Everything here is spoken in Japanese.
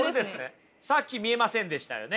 さっき見えませんでしたよね。